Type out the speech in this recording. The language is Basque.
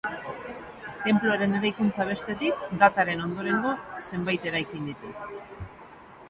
Tenpluaren eraikuntza, bestetik, dataren ondorengo zenbait eraikin ditu.